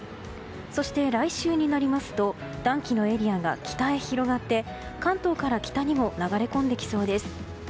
そして来週になりますと暖気のエリアが北へ広がって、関東から北にも流れ込んできそうです。